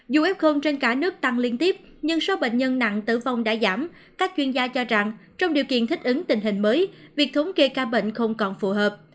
dù f trên cả nước tăng liên tiếp nhưng số bệnh nhân nặng tử vong đã giảm các chuyên gia cho rằng trong điều kiện thích ứng tình hình mới việc thống kê ca bệnh không còn phù hợp